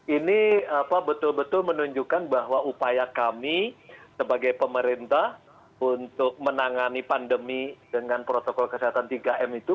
ini betul betul menunjukkan bahwa upaya kami sebagai pemerintah untuk menangani pandemi dengan protokol kesehatan tiga m itu